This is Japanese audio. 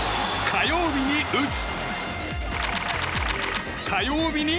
火曜日に打つ！